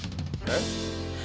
えっ！